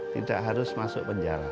tidak harus masuk penjara